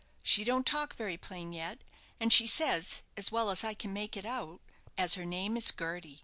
She don't talk very plain yet, and she says, as well as I can make it out, as her name is Gerty."